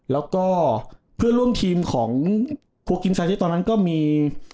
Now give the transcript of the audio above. แล้วก็เพื่อร่วมทีมของครัวกินไซน์ที่ตอนนั้นก็มี